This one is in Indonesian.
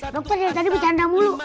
dokter tadi bercanda mulu